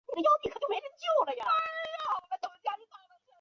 天顺八年甲申科进士第二甲第十六名。